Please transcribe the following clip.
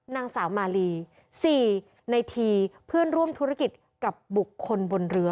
นางสาวมาลี๔ในทีเพื่อนร่วมธุรกิจกับบุคคลบนเรือ